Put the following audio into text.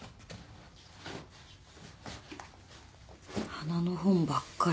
花の本ばっかり。